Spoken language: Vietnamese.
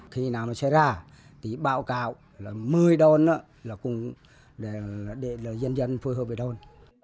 khi nào nó sẽ ra thì báo cáo là một mươi đôn đó là cũng để là nhân dân phối hợp với đôn